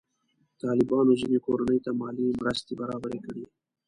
طالبانو ځینې کورنۍ ته مالي مرستې برابرې کړي.